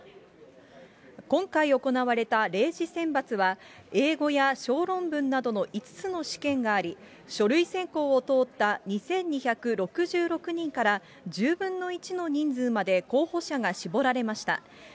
今回行われた０次選抜は、英語や小論文などの５つの試験があり、書類選考を通った２２６６人から、１０分の１の人数まで候補者が絞られました。